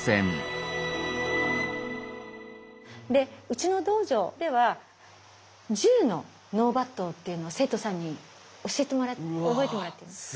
うちの道場では１０の納抜刀っていうのを生徒さんに教えて覚えてもらってるんです。